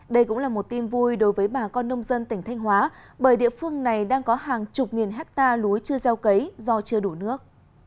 đây cũng là một tin vui đối với bà con nông dân tỉnh thanh hóa bởi địa phương này đang có hàng chục nghìn hectare lúa chưa gieo cấy do chưa đủ nước